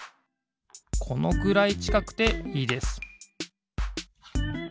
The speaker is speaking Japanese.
このくらいちかくていいです